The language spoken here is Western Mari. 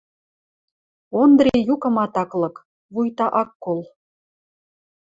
Ондри юкымат ак лык, вуйта ак кол.